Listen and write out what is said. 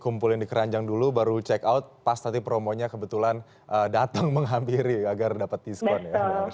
kumpulin di keranjang dulu baru check out pas nanti promonya kebetulan datang menghampiri agar dapat diskon ya